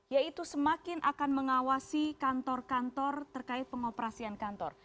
yaitu semakin akan mengawasi kantor kantor terkait pengoperasian kantor